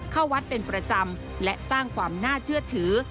เข้าวัดเป็นประจำและสร้างความน่าเชื่อถือ